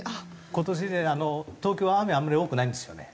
今年ね東京雨あんまり多くないんですよね。